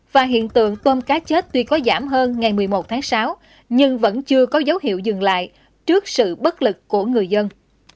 và hiện tượng tôm cá chết tuy có giảm hơn ngày một mươi một tháng sáu nhưng vẫn chưa có dấu hiệu dừng lại trước sự bất lực của người dân